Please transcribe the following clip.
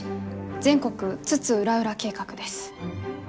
全国津々浦々計画」です。